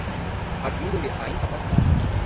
arguindo-lhe a incapacidade